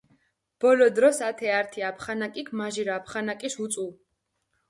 ბოლო დროს ათე ართი აფხანაკიქ მაჟირა აფხანაკის უწუუ.